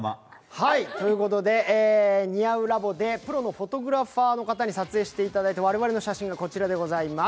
ｎｉａｕｌａｂでプロのフォトグラファーの方に撮影していただいた我々の写真がこちらでございます。